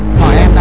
hỏi em đã